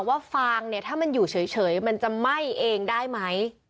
ฟางเนี่ยถ้ามันอยู่เฉยมันจะไหม้เองได้ไหม